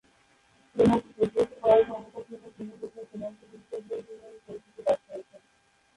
Penalty প্রতিহত করার ক্ষমতার জন্য তিনি দেশের পেনাল্টি বিশেষজ্ঞ হিসেবে পরিচিতি লাভ করেছেন।